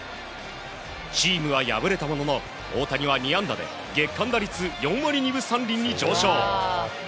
チームは敗れたものの大谷は２安打で月間打率４割２分３厘に上昇。